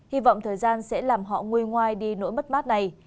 hy vọng thời gian sẽ làm họ nguôi ngoai đi nỗi mất mát này